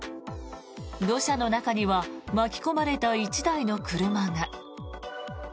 土砂の中には巻き込まれた１台の車が。